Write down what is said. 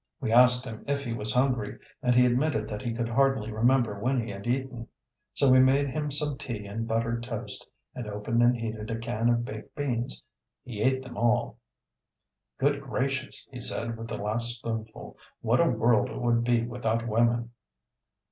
We asked him if he was hungry, and he admitted that he could hardly remember when he had eaten. So we made him some tea and buttered toast, and opened and heated a can of baked beans. He ate them all. "Good gracious," he said, with the last spoonful, "what a world it would be without women!"